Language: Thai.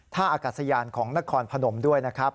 ท่าอากาศยานของนครพนมด้วยนะครับ